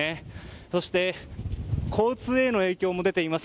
そして交通への影響も出ています。